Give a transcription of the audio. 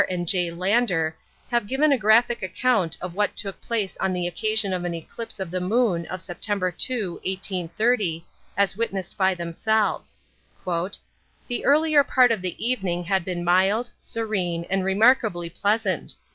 and J. Lander, have given a graphic account of what took place on the occasion of the eclipse of the Moon of Sept. 2, 1830, as witnessed by themselves:—"The earlier part of the evening had been mild, serene, and remarkably pleasant.